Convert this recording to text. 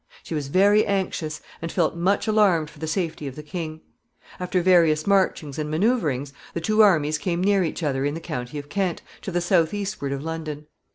She was very anxious, and felt much alarmed for the safety of the king. After various marchings and manoeuvrings, the two armies came near each other in the county of Kent, to the southeastward of London.